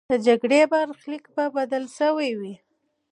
د جګړې برخلیک به بدل سوی وي.